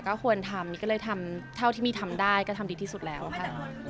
ก็ควรทำมีก็เลยทำเท่าที่มีทำได้ก็ทำดีที่สุดแล้วค่ะ